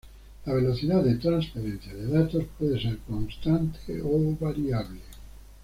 La velocidad de transferencia de datos puede ser constante o variable.